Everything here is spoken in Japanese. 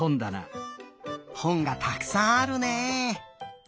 ほんがたくさんあるね。